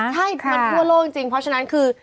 ใช่มันทั่วโลกจริงเพราะฉะนั้นคือ